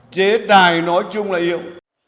chế tài nói chung là yếu